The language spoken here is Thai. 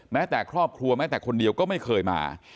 แม้แต่ครอบครัวแม้แต่คนเดียวก็ไม่เคยมา